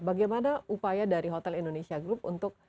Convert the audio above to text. bagaimana upaya dari hotel indonesia group untuk tel jetzt